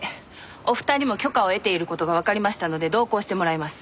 お二人も許可を得ている事がわかりましたので同行してもらいます。